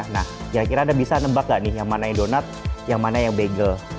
nah kira kira anda bisa nebak gak nih yang mana yang donat yang mana yang bagel